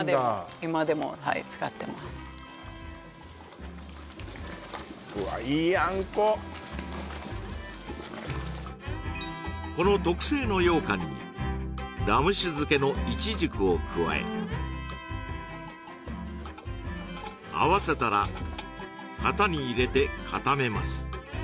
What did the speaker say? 今でもはい使ってますわあいい餡子この特製の羊羹にラム酒漬けのいちじくを加えあわせたら型に入れて固めます